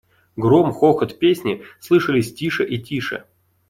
Гром, хохот, песни слышались тише и тише.